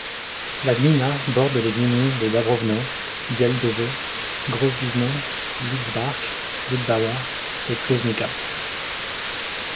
La gmina borde les gminy de Dąbrówno, Działdowo, Grodziczno, Lidzbark, Lubawa et Płośnica.